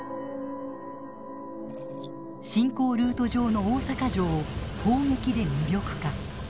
侵攻ルート上の大坂城を砲撃で無力化。